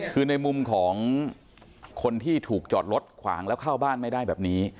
คือในมุมของคนที่ถูกจอดรถขวางแล้วเข้าบ้านไม่ได้แบบนี้